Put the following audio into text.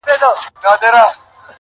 د دښمن کره ورځم، دوست مي گرو دئ.